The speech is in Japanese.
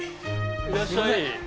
いらっしゃい。